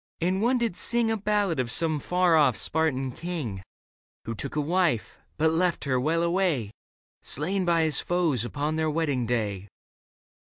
And one did sing A ballad of some far off Spartan king. Who took a wife, but left her, well away ! Slain by his foes upon their wedding day.